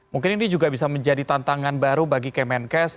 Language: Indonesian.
mungkin ini juga bisa menjadi tantangan baru bagi kemenkes